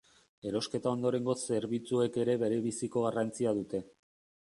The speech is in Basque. Erosketa ondorengo zerbitzuek ere berebiziko garrantzia dute.